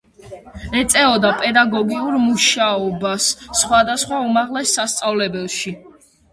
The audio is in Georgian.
ეწეოდა პედაგოგიურ მუშაობას სხვადასხვა უმაღლეს სასწავლებელში.